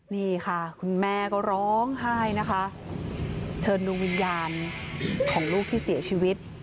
นี่ค่ะคุณแม่ก็ร้องไห้นะคะเชิญดวงวิญญาณของลูกที่เสียชีวิต